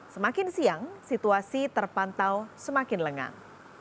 semakin siang situasi terpantau semakin lengang